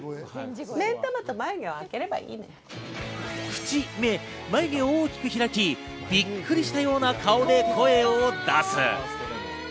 口・目・眉毛を大きく開き、びっくりしたような顔で声を出す。